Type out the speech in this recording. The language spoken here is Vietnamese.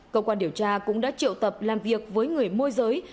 cơ quan điều tra cũng đã triệu tập làm việc với người môi giới